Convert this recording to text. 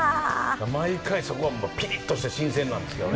毎回、そこはピリッとして神聖なんですよね。